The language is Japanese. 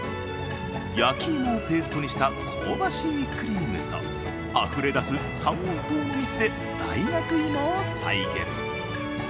焼き芋をペーストにした香ばしいクリームとあふれ出す三温糖の蜜で大学芋を再現。